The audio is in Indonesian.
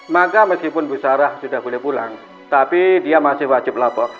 maka meskipun bu sarah sudah boleh pulang tapi dia masih wajib lapor